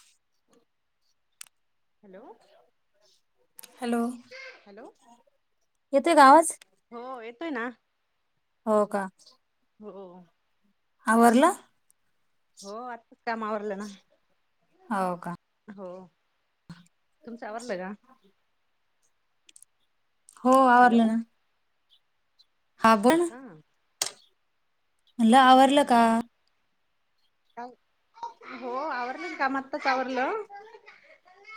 [inaudible] Hello hello. Hello येतंय का आवाज? हो, येतोय ना. हो, का. हो हो, आवरलं? हो, आत्ताच काम आवरलं ना हो का हो, तुमचं आवरलं का? हो, हॅलो आवरलं ना. हा, हो बोल. का म्हणलं आवरलं का? हम्म हो, आवरलं की काम आत्ताच आवरलं.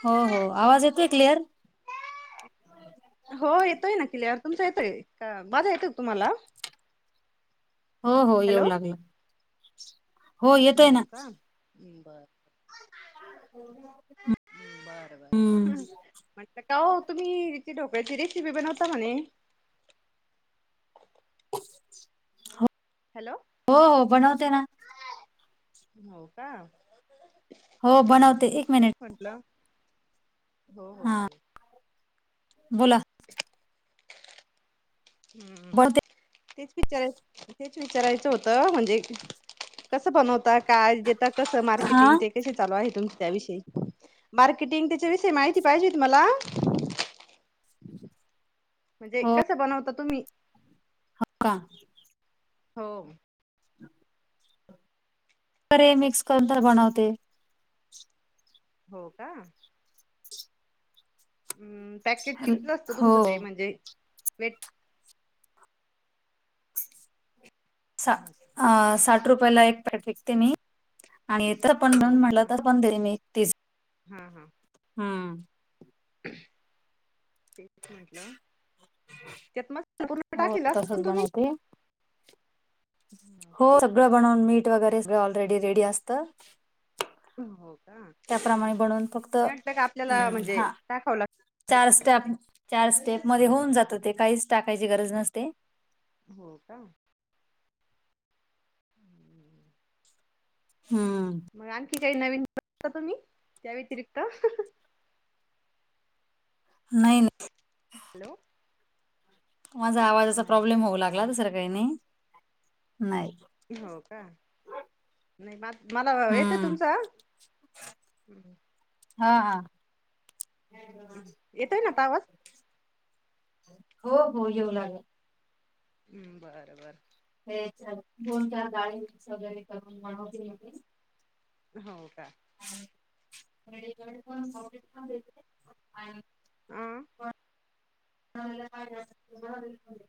हो हो, आवाज येतोय क्लिअर. हो, येतोय ना क्लिअर. तुमचा येतोय का? माझा येतोय का तुम्हाला? हो हो, येऊ हॅलो लागला. येतोय ना हो, का बरं. बरं हम्म बरं. म्हंटलं काहो तुम्ही ती ढोकळ्याची रेसिपी बनवता म्हणे. हो हॅलो हो, बनवते ना. हो, का? हो, बनवते एक तेच मिनिट. म्हंटलं हो हो, हा चालेल. बोला. हम हम. बनते तेच विचारायचं, तेच विचारायचं होतं म्हणजे कसं बनवता काय. तर कसं हा मार्केटिंग ते. कसं चालू आहे तुमचं त्याविषयी मार्केटिंग त्याच्या विषयी माहिती पाहिजे होती मला. म्हणजे कसं बनवतात तुम्ही. हा, का. हो, [inaudible] प्री मिक्स करून तर बनवते. हो, का. हम्, पॅकेज कितीचं असतं हो तुमचं ते म्हणजे वेट. सा आ, साठ रुपयाला एक पॅक विकते मी आणि इथं बनवून म्हणलं तर. बनवून देईन मी तीस. हम हम, हम, [inaudible] ते म्हंटलं त्यात मस् पूर्ण हो टाकला तसच असण तुम्ही. बनवते हो सगळं बनवून मीट वगैरे सळं ऑलरेडी रेडी असतं. हो का हम, ते त्याप्रमाणे बनवून फक्त असलं का आपल्याला हम्म म्हंजे हा टाकाव लागत. चार स्टॅप चार स्टेप मध्ये होऊन जात ते काहीच टाकायची गरज नसते. हो का, हम, ह, मग आणखी काही नवीन बता तुम्ही त्या व्यतिरिक्त. नाही ना, हॅलो माझा आवाजाचा नाही प्रॉब्लेम का होऊ लागला दुसर काही नाही, नाही. हो का नाय म मला येतंय हम्म तुमचा, हूं हूं हा [unintelligible] येतोय ना आता आवाज? हो हो येऊ लागलं अम्म बरं बरं हेचं दोन चार डाळीचं मिक्स वगैरे करून बनवते मी आपली हो का आणि रेडी करून पण [unintelligible] आणि [unintelligible]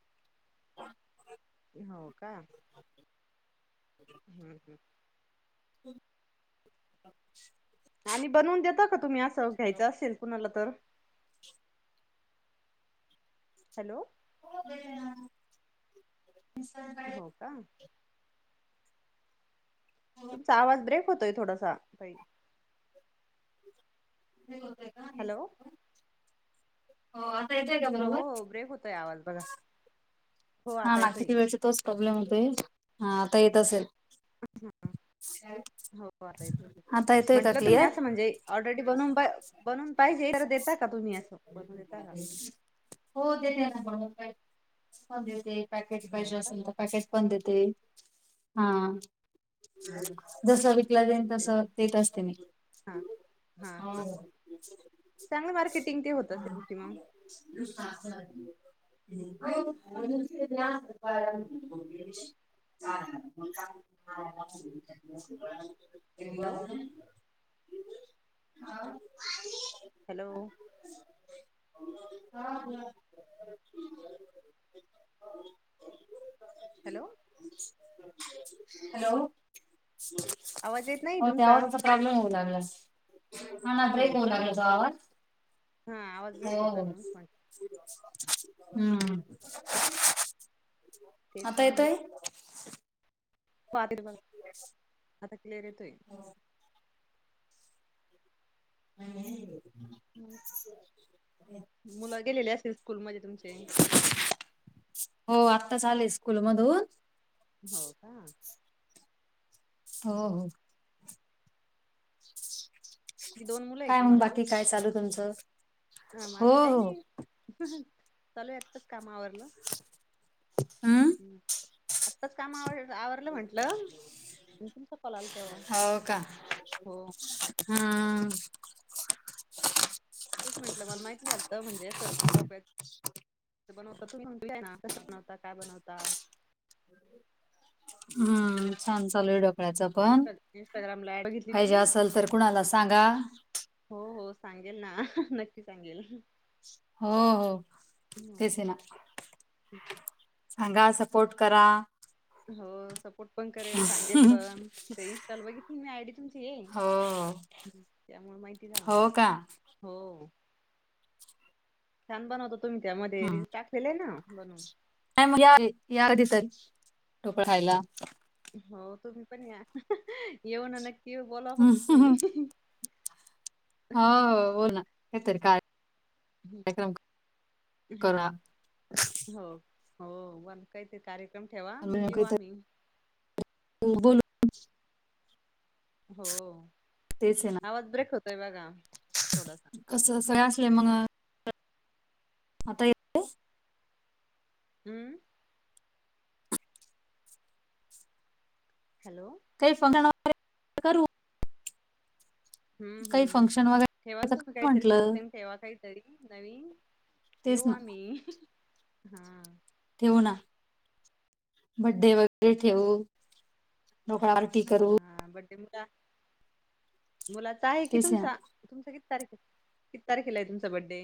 हो का हूं हूं [unintelligible] आणि बनवून देता का तुम्ही असं, घ्यायचं असेल कुणाला तर हॅलो [unintelligible] हो का तुमचा आवाज ब्रेक होतोय थोडासा ताई ब्रेक होतंय. हॅलो हो. आता येतोय का? हो बरोबर? हो, ब्रेक होतंय आवाज बघा हो हा आता ना येतोय किती वेळचा तोच प्रॉब्लेम होतोय. हा आता येत असेल. ह ह, हो आता येतय, आता येतोय का म्हंटलं तुम्ही क्लिअर? असं म्हणजे ऑलरेडी बनून पा बनून पाहिजे तर देता का तुम्ही असं बनवून देता का? हो देते ना बनवून [unintelligible] पण देते पॅकेट हो पाहिजे का असेल तर पॅकेट पण देते. हा जस हा विकला जाईन तस, तेच देत असते मी हो हो. चांगली मार्केटिंग ते होत असेल तुमची म [unintelligible] हो [unintelligible] [unintelligible] हॅलो [unintelligible] हॅलो हा बोला [unintelligible] हॅलो, हॅलो, आवाज येत नाही हो ते तुमचा आवाजाच प्रॉब्लेम होऊ लागला. हा ना हो ब्रेक होऊ का लागला तो आवाज. हा आवाज हो, ब्रेक होतोय हो, म्हणूनच म्हण हम्म हम्म तेच आता येतोय पाकीट बघा. आता क्लिअर येतोय. [inaudible] हू मुलं गेलेले असेतील स्कूल मध्ये तुमचे? हो, आत्ताच आले स्कूल मधून. हो का? हो हम्म हो. दोन मुलं आहे काय मंग बाकी, काय चालू तुमचं? ह हो माझं काही हो. नाही, चालू आहे आत्ताच काम आवरलं हम्म. आली, आत्ताच काम आव आवरलं म्हंटलं. [unintelligible] तुमचा कॉल आला तेव्हा. हो का? हो. हा. तेच म्हटलं, मला माहिती झालतं, म्हणजे असं डोक्यात ते बनवता तुम्ही म्हटल्या ना, कसं बनवता? काय बनवता? हम्म, छान चालूये ईड. [unintelligible] पण, इंस्टा इंस्टाग्रामला ऍड बघितली होती पाहिजे ना मी असल तर कुणाला सांगा. हो हो, सांगेल ना, नक्की सांगेल. हो हो, तेच आहे हम्म. ना. सांगा, सपोर्ट करा. हो सपोर्ट पण करेल, सांगेल पण. ते इनस्टाला बघितली मी आयडी हो हो. [unintelligible] ह त्यामुळे माहिती झालं हो मला. का? हो छान बनवता तुम्ही! त्यामध्ये हम्म रील टाकलेल आहे ना बनवून. नाही मग, या कधी तर, ठोकळा खायला. हो, तुम्ही पण या. येऊ ना न येऊ, बोलवा हो फक्त तुम्ही. हा, हो ना, नाहीतर काय ह हा करा. हो. हो, [unintelligible] काहीतरी कार्यक्रम ठेवा मग येऊ काहीतरी आम्ही. [unintelligible] हो, तेच आहे ना. आवाज ब्रेक होतोय बघा, थोडासा. कसं, सगळं असले मग आता ये हम्म. हॅलो! काही फंक्शन वगैरे करू. हम्म काही हम्म, फंक्शन ठेवा वगैरे न तर तस करू काहीतरी म्हटलं फंक्शन. ठेवा काहीतरी नवीन, तेच येऊ ना आम्ही. हा. ठेवू ना. बर्थडे वगैरे ठेवू, [unintelligible] आरती कर हा बर्थडे [unintelligible] मुलाचा आहे कि तेच ना तुमचा? तुमच किती तारीख आहे? किती तारखेला आहे तुमचा बड्डे?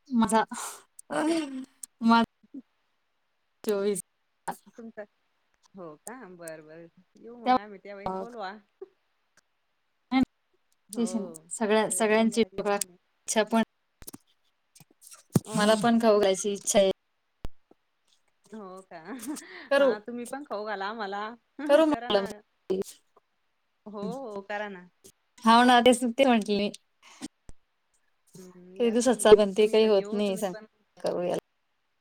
[unintelligible] तुमचा, हो का? बरं बरं, येऊ मग आम्ही. त्या वळेस मग बोलवा. नाही ना, हो तेच ना, सगळ्या त्यावेळेस सगळ्यांची बोलवा येऊ [unintelligible] आम्ही इच्छा पण मला अ पण खाऊ घालायची इच्छा आहे. हो का? करू हा तुम्ही पण खाऊ घाला आम्हाला. करू करा म्हटलं ना. हो हो, करा ना. हाव ना, तेच सु ते म्हंटले. हम्म, या तुम्ही, आम्ही पण येऊ तुम्ही पण करूया.